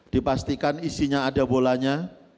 dipastikan isinya ada bolanya